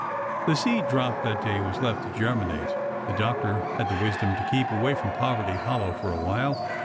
The seed dropped that day was left to germinate. The doctor had the wisdom to keep away from Poverty Hol low for a while.